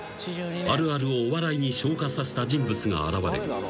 あるあるをお笑いに昇華させた人物が現れる。